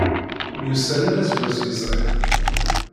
Myussanen aseggas yezrin.